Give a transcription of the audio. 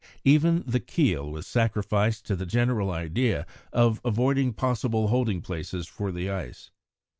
Even the keel was sacrificed to the general idea of avoiding possible holding places for the ice.